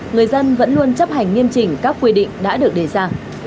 người dân vẫn luôn chấp hành nghiêm chỉnh các quy định đã được đề ra